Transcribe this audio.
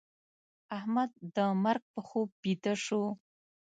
احمد د مرګ په خوب بيده شو.